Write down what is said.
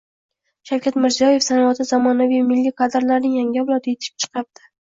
Shavkat Mirziyoyev: Sanoatda zamonaviy milliy kadrlarning yangi avlodi yetishib chiqyapti